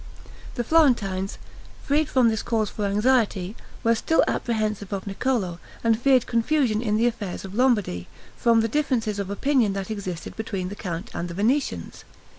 The Florentines, freed from this cause for anxiety, were still apprehensive of Niccolo, and feared confusion in the affairs of Lombardy, from the differences of opinion that existed between the count and the Venetians.